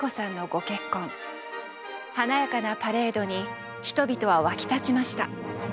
華やかなパレードに人々は沸き立ちました。